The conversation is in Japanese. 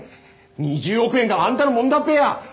２０億円があんたのものだっぺや。